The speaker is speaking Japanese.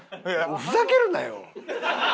ふざけるなよ！